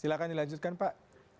silakan dilanjutkan pak